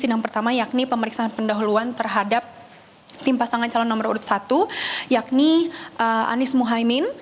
yang pertama yakni pemeriksaan pendahuluan terhadap tim pasangan calon nomor urut satu yakni anies muhaymin